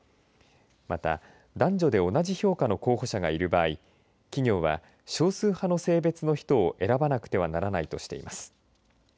また、男女で同じ評価の候補者がいる場合企業は少数派の性別の人を選ばなくてはならないとしています。